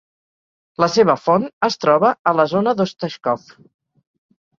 La seva font es troba a la zona d'Ostashkov.